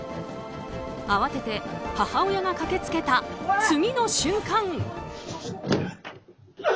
慌てて母親が駆けつけた次の瞬間。